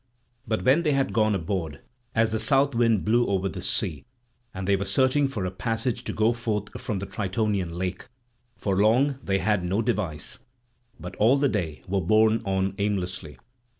But when they had gone aboard, as the south wind blew over the sea, and they were searching for a passage to go forth from the Tritonian lake, for long they had no device, but all the day were borne on aimlessly.